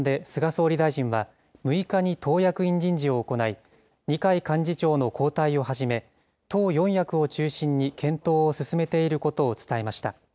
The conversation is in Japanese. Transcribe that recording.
また会談で菅総理大臣は、６日に党役員人事を行い、二階幹事長の交代をはじめ、党四役を中心に検討を進めていることを伝えました。